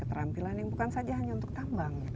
dari segi tampilan yang bukan saja hanya untuk tambang